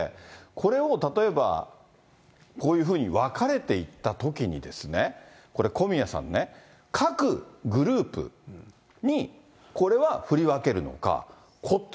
これを例えば、こういうふうに分かれていったときに、これ、小宮さんね、各グループにこれは振り分けるのか。